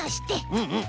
うんうん。